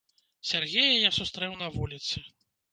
Сяргея я сустрэў на вуліцы.